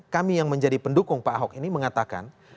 kami yang menjadi pendukung pak ahok ini mengatakan